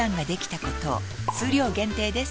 数量限定です